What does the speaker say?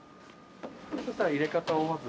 そしたら入れ方をまず。